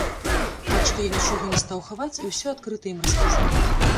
Так што я нічога не стаў хаваць і ўсё адкрыта ім расказаў.